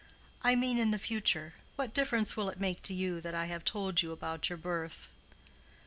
"I mean in the future. What difference will it make to you that I have told you about your birth?"